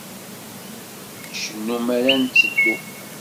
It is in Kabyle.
Ncennu mi ara netteddu.